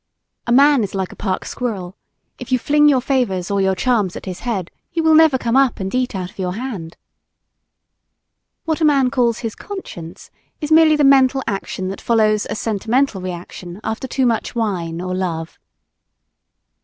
A man is like a park squirrel; if you fling your favors or your charms at his head he will never come up and eat out of your hand. What a man calls his "conscience" is merely the mental action that follows a sentimental reaction after too much wine or love.